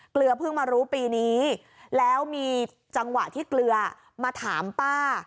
เกลือเพิ่งมารู้ปีนี้แล้วมีจังหวะที่เกลือมาถามป้า